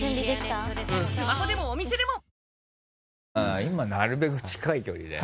今なるべく近い距離で。